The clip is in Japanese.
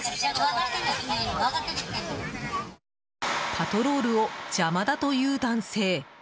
パトロールを邪魔だという男性。